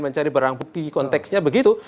mencari barang bukti konteksnya begitu